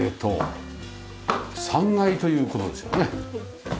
３階という事ですよね。